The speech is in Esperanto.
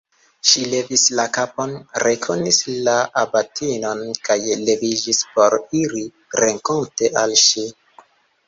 Ŝi levis la kapon, rekonis la abatinon kaj leviĝis por iri renkonte al ŝi.